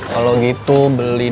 kalau gitu beli dua